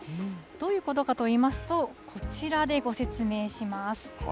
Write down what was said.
どういうことかといいますと、こちらでご説明します。